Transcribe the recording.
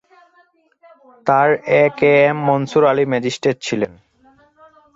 তার A K M Mansur Ali magistrate ছিলেন।